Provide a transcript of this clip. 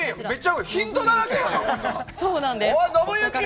ヒントだらけやん！